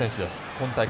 今大会